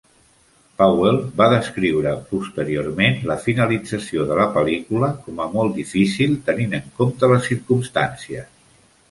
Powell va descriure posteriorment la finalització de la pel·lícula com a "molt difícil tenint en compte les circumstàncies".